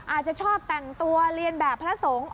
อาจจะชอบแต่งตัวเรียนแบบพระสงฆ์